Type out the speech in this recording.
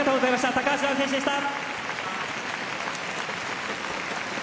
高橋藍選手でした。